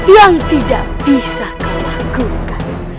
yang tidak bisa kau lakukan